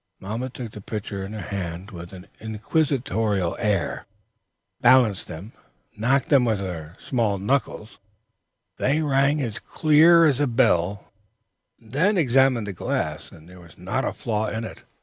Mamma took the pitchers in her hand with an inquisitorial air, balanced them, knocked them with her small knuckles they rang as clear as a bell examined the glass there was not a flaw in it.